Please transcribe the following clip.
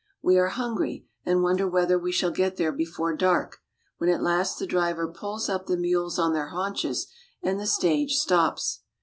We are hungry, and wonder whether we shall get there before dark, when at last the driver pulls up the mules on their haunches, and the stage stops.